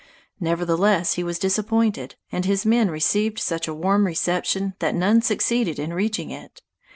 Nevertheless he was disappointed, and his men received such a warm reception that none succeeded in reaching it.